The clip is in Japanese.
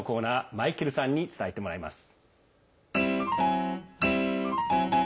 マイケルさんに伝えてもらいます。